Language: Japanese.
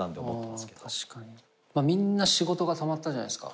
みんな仕事が止まったじゃないですか。